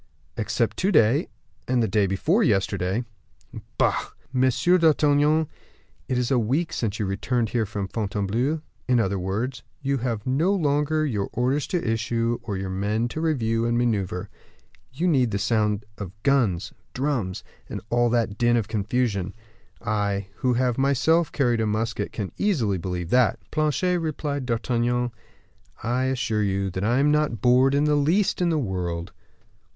"Except to day, and the day before yesterday." "Bah!" "Monsieur d'Artagnan, it is a week since you returned here from Fontainebleau; in other words, you have no longer your orders to issue, or your men to review and maneuver. You need the sound of guns, drums, and all that din and confusion; I, who have myself carried a musket, can easily believe that." "Planchet," replied D'Artagnan, "I assure you I am not bored in the least in the world."